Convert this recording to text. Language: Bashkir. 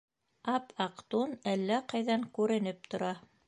Ап-аҡ тун әллә ҡайҙан күренеп тора.